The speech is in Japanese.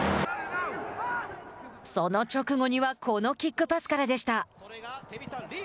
その直後にはこのキックパスからでした。